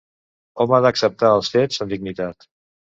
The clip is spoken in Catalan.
Hom ha d'acceptar els fets, amb dignitat.